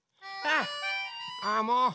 あもう！